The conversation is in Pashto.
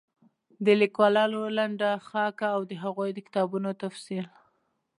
د ليکوالانو لنډه خاکه او د هغوی د کتابونو تفصيل